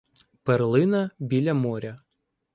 «Перлина біля моря»